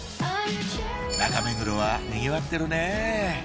中目黒はにぎわってるね